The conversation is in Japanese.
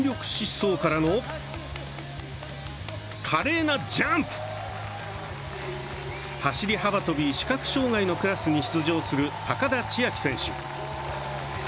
走り幅跳び視覚障がいのクラスに出場する高田千明選手。